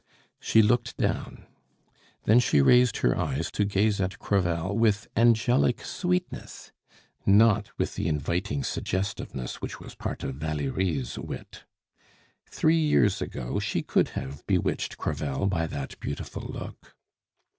She looked down; then she raised her eyes to gaze at Crevel with angelic sweetness not with the inviting suggestiveness which was part of Valerie's wit. Three years ago she could have bewitched Crevel by that beautiful look.